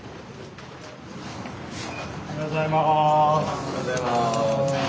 おはようございます。